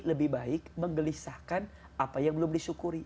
lebih baik menggelisahkan apa yang belum disyukuri